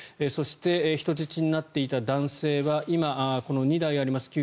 そして、人質になっていた男性は今、２台あります